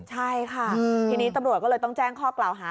ใช่ค่ะทีนี้ตำรวจก็เลยต้องแจ้งข้อกล่าวหา